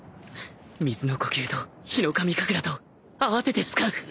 水の呼吸とヒノカミ神楽とあわせて使う